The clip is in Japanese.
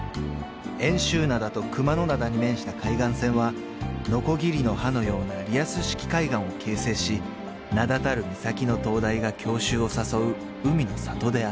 ［遠州灘と熊野灘に面した海岸線はのこぎりの歯のようなリアス式海岸を形成し名だたる岬の灯台が郷愁を誘う海の里である］